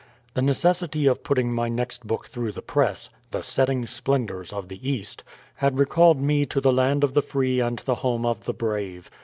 The necessity of putting my next book through the press (The Setting Splendors of the East) had recalled me to the land of the free and the home of the brave.